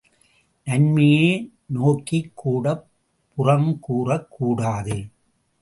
நன்மையை நோக்கிக்கூடப் புறங்கூறக் கூடாது.